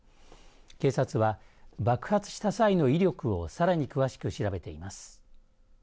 警察は爆発した際の威力をさらに詳しく調べています。